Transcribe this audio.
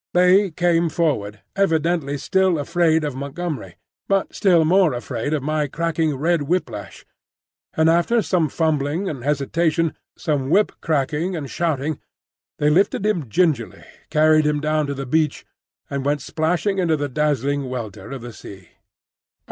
They came forward, evidently still afraid of Montgomery, but still more afraid of my cracking red whip lash; and after some fumbling and hesitation, some whip cracking and shouting, they lifted him gingerly, carried him down to the beach, and went splashing into the dazzling welter of the sea.